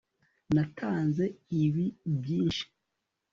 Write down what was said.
natanze ibi byinshi